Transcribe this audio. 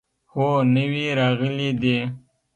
هو، نوي راغلي دي